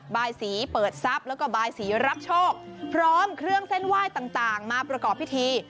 บายสีเปิดทรัพย์แล้วก็บายสีรับโชคพร้อมเครื่องเส้นไหว้ต่างมาประกอบพิธี